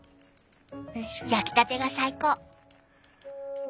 焼きたてが最高。